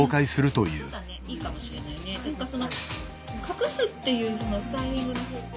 ていうかその隠すっていうスタイリングの方向性。